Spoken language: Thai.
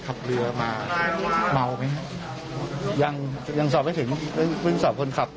ก็พูดจากการเนี่ยครับพูดจากการซิทธิกลึกยังครับ